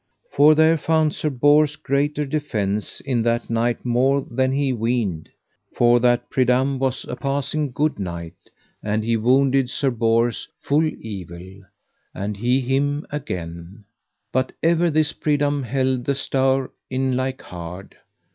For there found Sir Bors greater defence in that knight more than he weened. For that Pridam was a passing good knight, and he wounded Sir Bors full evil, and he him again; but ever this Pridam held the stour in like hard.